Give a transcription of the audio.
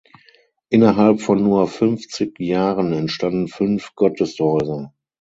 Innerhalb von nur fünfzig Jahren entstanden fünf Gotteshäuser.